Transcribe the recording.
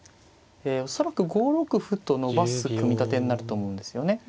恐らく５六歩と伸ばす組み立てになると思うんですよね。